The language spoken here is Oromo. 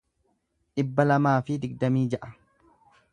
dhibba lamaa fi digdamii ja'a